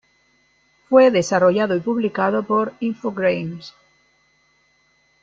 Fue desarrollado y publicado por Infogrames.